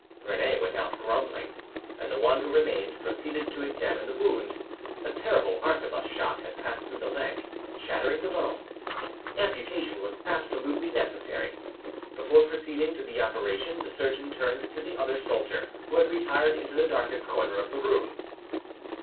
Rene went out grumbling, and the one who remained proceeded to examine the wound. A terrible arquebus shot had passed through the leg, shattering the bone: amputation was absolutely necessary. Before proceeding to the operation, the surgeon turned to the other soldier, who had retired into the darkest corner of the room.